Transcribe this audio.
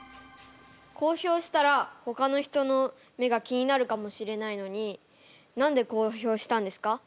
公表したらほかの人の目が気になるかもしれないのに何で公表したんですか？